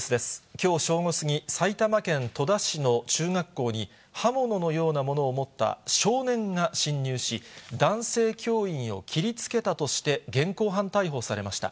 きょう正午過ぎ、埼玉県戸田市の中学校に、刃物のようなものを持った少年が侵入し、男性教員を切りつけたとして、現行犯逮捕されました。